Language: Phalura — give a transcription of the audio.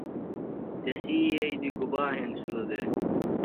تسی یئی دی گُبا ہنسِلوۡ دےۡ؟